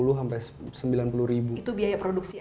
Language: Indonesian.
itu biaya produksinya